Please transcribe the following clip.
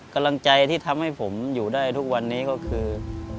กำลังใจที่ทำให้ผมอยู่ได้ทุกวันนี้ก็คือ